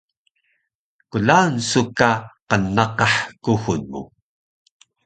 klaun su ka qnnaqah kuxul mu